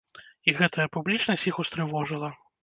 І гэтая публічнасць іх устрывожыла.